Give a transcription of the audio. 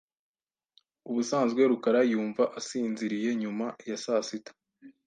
Ubusanzwe rukara yumva asinziriye nyuma ya saa sita .